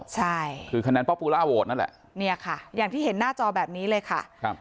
ใช่คือคะแนนพ่อปูล่าโหวตนั่นแหละเนี่ยค่ะอย่างที่เห็นหน้าจอแบบนี้เลยค่ะครับ